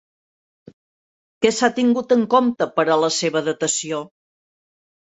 Què s'ha tingut en compte per a la seva datació?